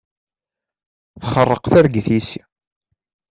Txerreq targit yis-i.